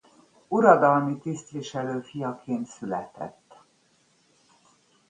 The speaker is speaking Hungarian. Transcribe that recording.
Uradalmi tisztviselő fiaként született.